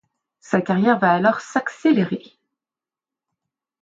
Sa carrière va alors s'accélérer.